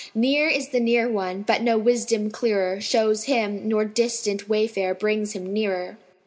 Near is the Near One; but no wisdom clearer * Shows him, nor distant wayfare brings Him nearer."